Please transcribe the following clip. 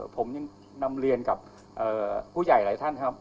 ผมยังนำเรียนกับผู้ใหญ่หลายท่านครับ